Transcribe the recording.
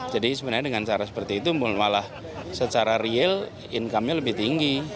jadi sebenarnya dengan cara seperti itu malah secara real income nya lebih tinggi